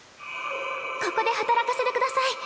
ここで働かせてください！